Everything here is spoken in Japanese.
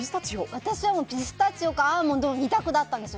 私はピスタチオかアーモンドの２択だったんですよ。